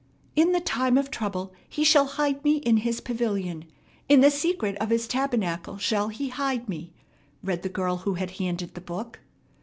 "'In the time of trouble he shall hide me in his pavilion; in the secret of his tabernacle shall he hide me,'" read the girl who had handed the book.